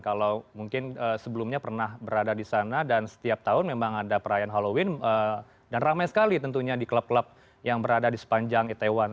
kalau mungkin sebelumnya pernah berada di sana dan setiap tahun memang ada perayaan halloween dan ramai sekali tentunya di klub klub yang berada di sepanjang itaewon